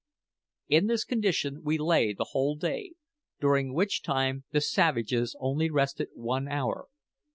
In this condition we lay the whole day, during which time the savages only rested one hour.